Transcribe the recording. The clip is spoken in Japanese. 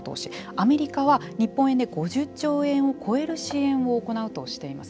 アメリカは日本円で５０兆円を超える支援を行うとしています。